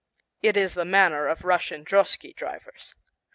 It is the manner of Russian drosky drivers.